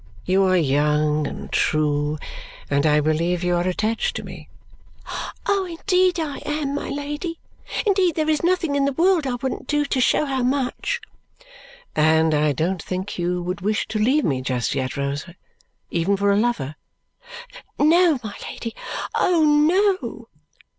You are young and true, and I believe you are attached to me." "Indeed I am, my Lady. Indeed there is nothing in the world I wouldn't do to show how much." "And I don't think you would wish to leave me just yet, Rosa, even for a lover?" "No, my Lady! Oh, no!"